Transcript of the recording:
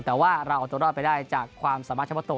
แต่ว่าเราจะรอดไปได้จากความสามารถชะพะโต